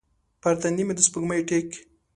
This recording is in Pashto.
پر تندې مې د سپوږمۍ ټیک